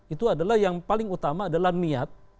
itu adalah yang paling utama adalah niat